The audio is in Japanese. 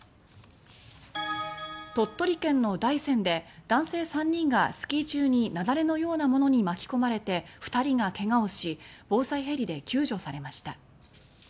鳥取県の大山で男性３人がスキー中に雪崩のようなものに巻き込まれて２人が怪我をし防災ヘリで救助されました。